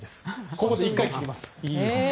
ここで１回切ります。